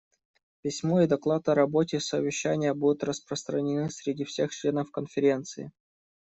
Письмо и доклад о работе совещания будут распространены среди всех членов Конференции.